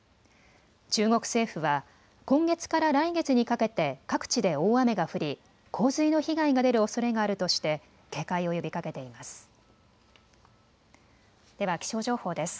中国政府は今月から来月にかけて各地で大雨が降り、洪水の被害が出るおそれがあるとして警戒を呼びかけています。